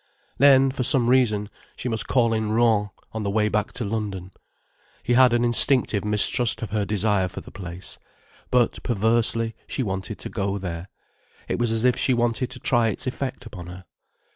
Then, for some reason, she must call in Rouen on the way back to London. He had an instinctive mistrust of her desire for the place. But, perversely, she wanted to go there. It was as if she wanted to try its effect upon her.